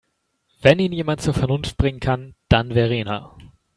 Wenn ihn jemand zur Vernunft bringen kann, dann Verena.